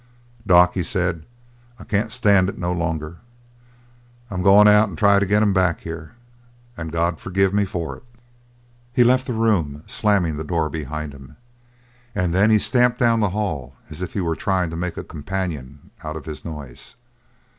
"Doc," he said, "I can't stand it no longer. I'm going out and try to get him back here. And God forgive me for it." He left the room, slamming the door behind him, and then he stamped down the hall as if he were trying to make a companion out of his noise.